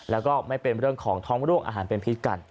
แล้วก็ไม่เป็นเรื่องของท้องร่วงอาหารเป็นพิษกัน